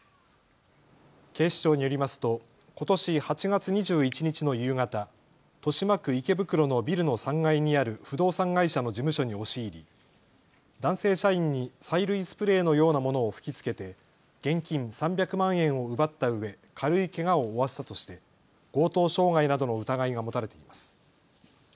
警視庁によりますとことし８月２１日の夕方、豊島区池袋のビルの３階にある不動産会社の事務所に押し入り男性社員に催涙スプレーのようなものを吹きつけて現金３００万円を奪ったうえ軽いけがを負わせたとして強盗傷害などの疑いが持たれています。